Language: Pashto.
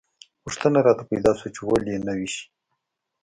پوښتنه راته پیدا شوه چې ولې یې نه ویشي.